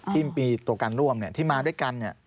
ที่มีตัวการร่วมเนี่ยที่มาด้วยกันเนี่ย